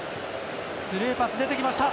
スルーパス出てきました。